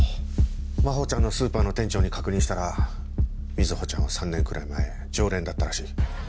真帆ちゃんのスーパーの店長に確認したら瑞穂ちゃんは３年くらい前常連だったらしい。